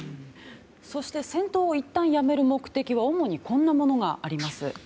そして、戦闘をいったんやめる目的は主に、こんなものがあります。